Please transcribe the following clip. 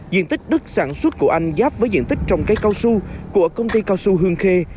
diện tích đất sản xuất của anh giáp với diện tích trồng cây cao su của công ty cao su hương khê